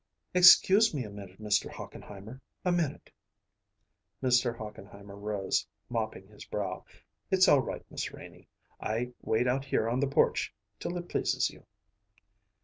"Excuse me a minute, Mr. Hochenheimer a minute." Mr. Hochenheimer rose, mopping his brow. "It's all right, Miss Renie. I wait out here on the porch till it pleases you."